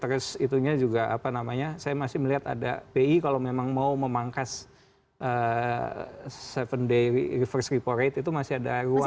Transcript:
terus itunya juga apa namanya saya masih melihat ada bi kalau memang mau memangkas tujuh day reverse repo rate itu masih ada ruang